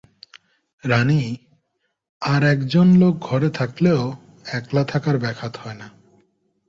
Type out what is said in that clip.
রানী, আর-একজন লোক ঘরে থাকলেও একলা থাকার ব্যাঘাত হয় না।